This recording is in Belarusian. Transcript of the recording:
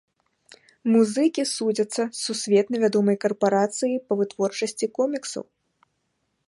Музыкі судзяцца з сусветна вядомай карпарацыяй па вытворчасці коміксаў.